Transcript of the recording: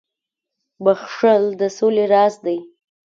• بخښل د سولي راز دی.